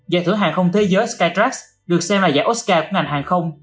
giải thưởng hàng không thế giới skytrax được xem là giải oscar của ngành hàng không